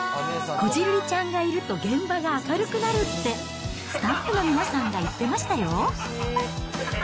こじるりちゃんがいると現場が明るくなるって、スタッフの皆さんが言ってましたよ。